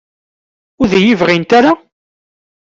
Ur d-iyi-bɣint ara?